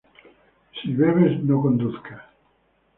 Si bebes, no conduzcas